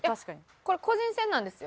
これは個人戦なんですよ。